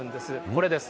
これです。